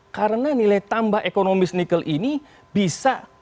karena nilai tambah ekonomis nikel ini bisa berlipat